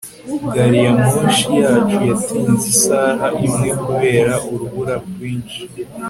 gariyamoshi yacu yatinze isaha imwe kubera urubura rwinshi